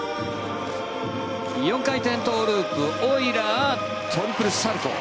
４回転トウループオイラー、トリプルサルコウ。